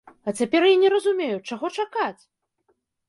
А цяпер я не разумею, чаго чакаць!